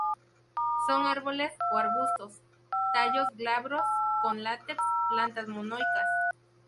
Son árboles o arbustos, tallos glabros, con látex; plantas monoicas.